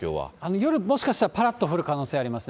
夜、もしかしたらぱらっと降る可能性ありますね。